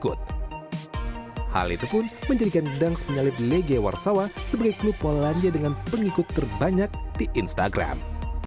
ketika itu pun menjadikan gdans penyelidik legia warsaw sebagai klub polandia dengan pengikut terbanyak di instagram